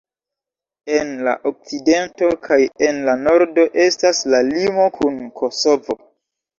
En la okcidento kaj en la nordo estas la limo kun Kosovo.